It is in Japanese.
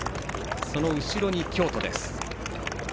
その後ろに京都。